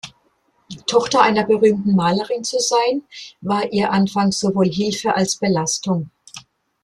Tochter einer berühmten Malerin zu sein, war ihr anfangs sowohl Hilfe als Belastung.